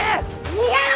逃げろ！